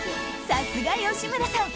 さすが吉村さん